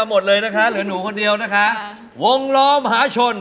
โชคดีไม่เลือกพี่ป๋องนะฮะ